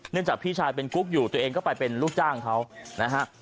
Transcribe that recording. จากพี่ชายเป็นกุ๊กอยู่ตัวเองก็ไปเป็นลูกจ้างเขานะฮะ